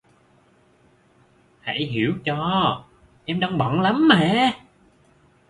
Hãy hiểu cho em đang bận lắm mà